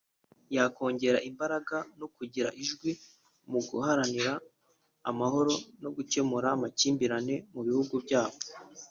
yakongera imbaraga no kugira ijwi mu guharanira amahoro no gukemura amakimbirane mu bihugu byabo